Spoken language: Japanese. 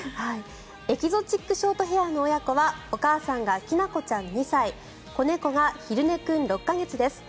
エキゾチックショートヘアの親子はお母さんがきなこちゃん、２歳子猫がひるね君、６か月です。